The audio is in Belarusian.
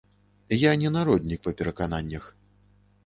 Я не народнік па перакананнях.